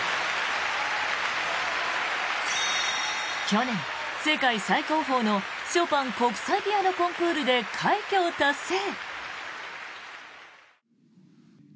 去年、世界最高峰のショパン国際ピアノコンクールで快挙を達成。